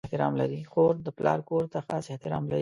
خور د پلار کور ته خاص احترام لري.